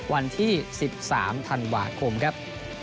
วันที่๑๓ธันวาคมครับ